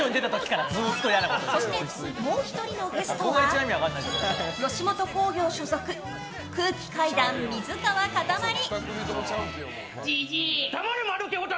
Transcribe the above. そして、もう１人のゲストは吉本興業所属空気階段・水川かたまり！